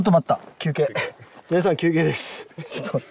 皆さん休憩です。